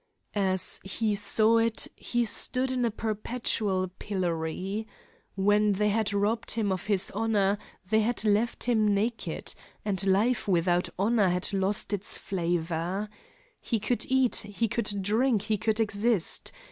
As he saw it, he stood in a perpetual pillory. When they had robbed him of his honor they had left him naked, and life without honor had lost its flavor. He could eat, he could drink, he could exist.